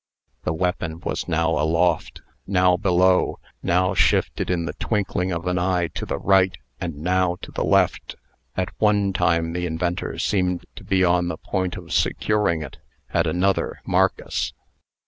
The weapon was now aloft now below now shifted in the twinkling of an eye to the right, and now to the left. At one time the inventor seemed to be on the point of securing it; at another, Marcus.